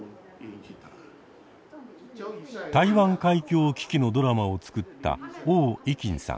台湾海峡危機のドラマを作った汪怡さん。